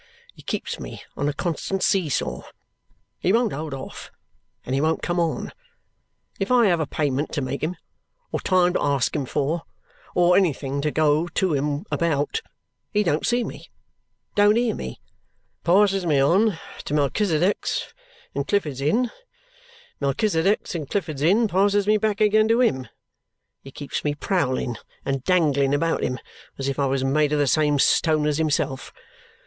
He keeps me on a constant see saw. He won't hold off, and he won't come on. If I have a payment to make him, or time to ask him for, or anything to go to him about, he don't see me, don't hear me passes me on to Melchisedech's in Clifford's Inn, Melchisedech's in Clifford's Inn passes me back again to him he keeps me prowling and dangling about him as if I was made of the same stone as himself.